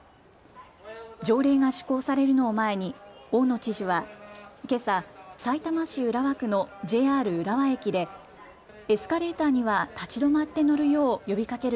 条例が施行されるのを前に大野知事はけさ、さいたま市浦和区のＪＲ浦和駅でエスカレーターには立ち止まって乗るよう呼びかける